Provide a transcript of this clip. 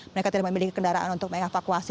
mereka tidak memiliki kendaraan untuk mengevakuasi